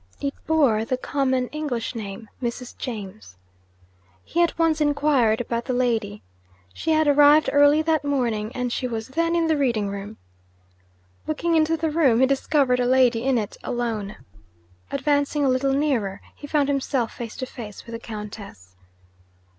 It bore the common English name, 'Mrs. James'! He at once inquired about the lady. She had arrived early that morning, and she was then in the Reading Room. Looking into the room, he discovered a lady in it alone. Advancing a little nearer, he found himself face to face with the Countess.